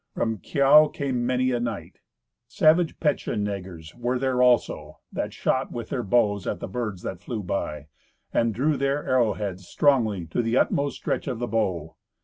From Kiow came many a knight. Savage Petschenegers were there also, that shot with their bows at the birds that flew by, and drew their arrow heads strongly to the utmost stretch of the bow.